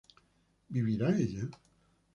¿vivirá ella?